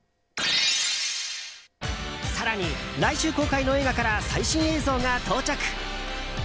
更に来週公開の映画から最新映像が到着。